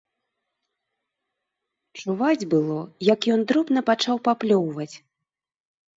Чуваць было, як ён дробна пачаў паплёўваць.